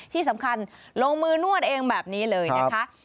ที่สำคัญลงมือนวดเองแบบนี้เลยนะคะ